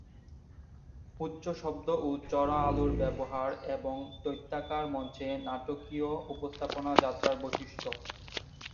উচ্চ শব্দ ও চড়া আলোর ব্যবহার এবং দৈত্যাকার মঞ্চে নাটকীয় উপস্থাপনা যাত্রার বৈশিষ্ট্য।